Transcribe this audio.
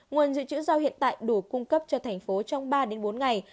nguồn dự trữ rau hiện tại đủ cung cấp cho thành phố trong ba bốn ngày